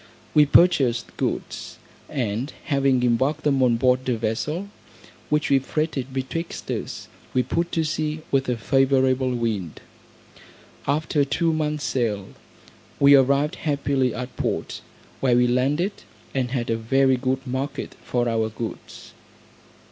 We purchased goods, and having embarked them on board a vessel, which we freighted betwixt us, we put to sea with a favourable wind. After two months sail, we arrived happily at port, where we landed, and had a very good market for our goods.